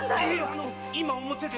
あの今表で。